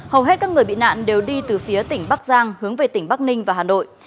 hầu hết các người bị nạn đều đi từ phía tỉnh bắc giang hướng về tỉnh bắc ninh và hà nội